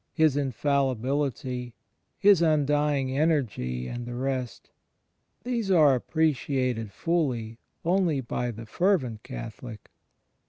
His infallibility. His imd3dng energy and the rest — these are appreciated fully only by the fervent Catholic.